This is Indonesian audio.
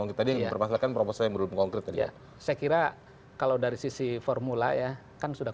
konkret tadi yang terpaksakan proposal yang belum konkret tadi ya saya kira kalau dari sisi formula ya kan sudah